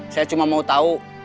saya cuma mau tau